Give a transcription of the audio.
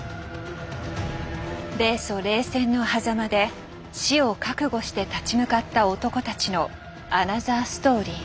米ソ冷戦のはざまで死を覚悟して立ち向かった男たちのアナザーストーリー。